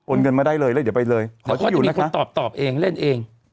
โอนเงินมาได้เลยแล้วเดี๋ยวไปเลยขอที่อยู่นะคะแต่เขาจะมีคนตอบเองเล่นเอง